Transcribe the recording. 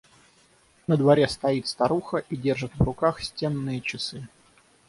На дворе стоит старуха и держит в руках стенные часы.